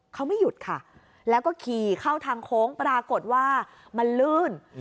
เขาไม่หยุดค่ะแล้วก็ขี่เข้าทางโค้งปรากฏว่ามันลื่น